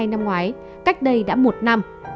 năm ngoái cách đây đã một năm